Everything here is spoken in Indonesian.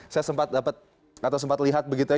saya sempat dapat atau sempat lihat begitu ya